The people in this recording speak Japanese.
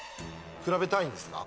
比べたいんですか？